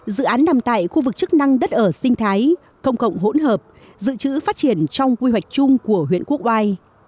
dự án nằm tại khu vực chức năng đất ở sinh thái công cộng hỗn hợp dự trữ phát triển trong quy hoạch chung của huyện quốc oai